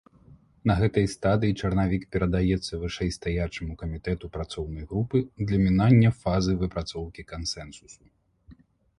На гэтай стадыі чарнавік перадаецца вышэйстаячаму камітэту працоўнай групы для мінання фазы выпрацоўкі кансэнсусу.